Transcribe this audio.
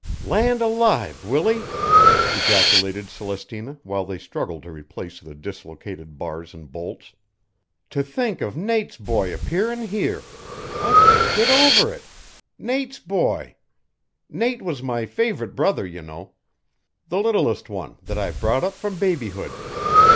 "Land alive, Willie!" ejaculated Celestina while they struggled to replace the dislocated bars and bolts. "To think of Nate's boy appearin' here! I can't get over it! Nate's boy! Nate was my favorite brother, you know the littlest one, that I brought up from babyhood.